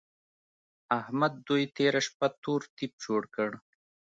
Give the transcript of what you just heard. احمد دوی تېره شپه تور تيپ جوړ کړ.